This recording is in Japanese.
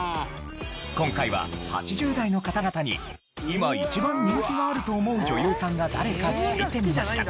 今回は８０代の方々に今一番人気のあると思う女優さんが誰か聞いてみました。